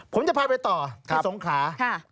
ผมจะพาไปต่อที่สงขลา